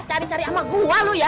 cari cari sama gua lu ya